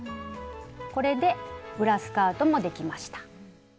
これで裏スカートもできました。